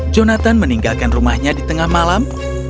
jonathan meninggalkan rumahnya di tengah malam